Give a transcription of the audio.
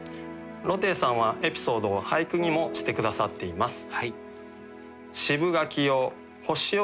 鷺汀さんはエピソードを俳句にもして下さっています。